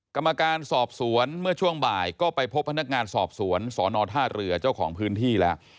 กรรมการสอบสวนเมื่อช่วงบ่ายก็ไปพบพนักงานสอบสวนสอนอท่าเรือเจ้าของพื้นที่แล้ว